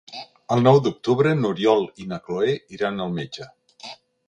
El nou d'octubre n'Oriol i na Cloè iran al metge.